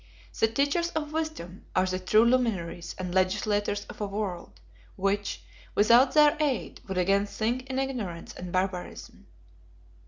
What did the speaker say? The teachers of wisdom are the true luminaries and legislators of a world, which, without their aid, would again sink in ignorance and barbarism."